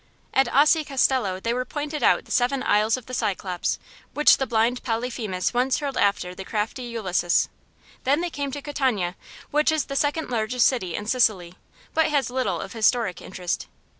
At Aci Castello they were pointed out the seven Isles of the Cyclops, which the blind Polyphemus once hurled after the crafty Ulysses. Then they came to Catania, which is the second largest city in Sicily, but has little of historic interest.